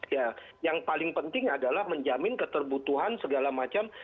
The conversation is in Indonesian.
ya yang paling penting adalah menjamin keterbutuhan segala macam